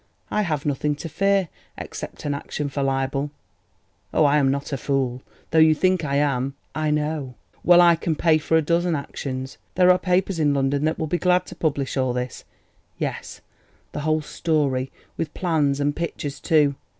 I have nothing to fear, except an action for libel. Oh, I am not a fool, though you think I am, I know. Well, I can pay for a dozen actions. There are papers in London that will be glad to publish all this—yes, the whole story—with plans and pictures too.